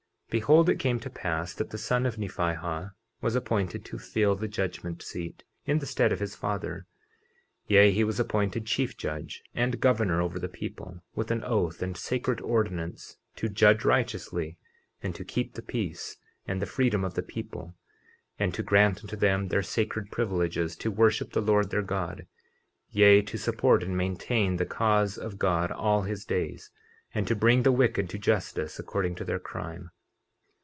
50:39 Behold, it came to pass that the son of Nephihah was appointed to fill the judgment seat, in the stead of his father; yea, he was appointed chief judge and governor over the people, with an oath and sacred ordinance to judge righteously, and to keep the peace and the freedom of the people, and to grant unto them their sacred privileges to worship the Lord their God, yea, to support and maintain the cause of God all his days, and to bring the wicked to justice according to their crime.